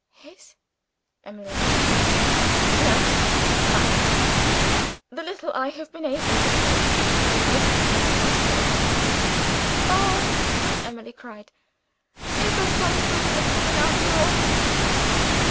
"His?" Emily asked. "No; mine the little I have been able to save toward restoring what I stole." "Oh!" Emily cried, "is there some good in this woman, after all?"